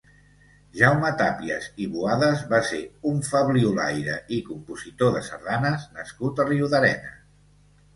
Jaume Tàpias i Boadas va ser un fabliolaire i compositor de sardanes nascut a Riudarenes.